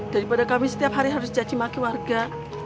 daripada kami setiap hari harus cacimaki warga